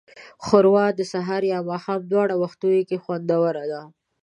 ښوروا د سهار یا ماښام دواړو وختونو کې خوندوره ده.